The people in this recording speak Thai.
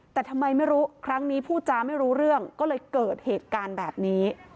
แต่ทำไมไม่รู้ครั้งนี้พูดจาไม่รู้เรื่องก็เลยเกิดเหตุการณ์แบบนี้